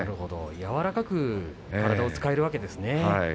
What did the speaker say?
柔らかく体を使えるわけですね。